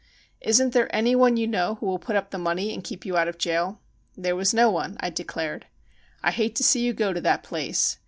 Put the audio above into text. "Isn't there anyone you know who will put up the money and keep you out of jail?" There was no one, I declared. "I hate to see you go to that place.